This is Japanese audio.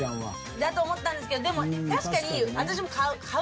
だと思ったんですけどでも確かに私も買う。